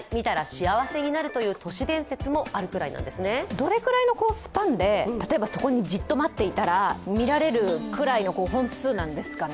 どれくらいのスパンで、例えばそこでじっと待っていたら見られるくらいの本数なんですかね。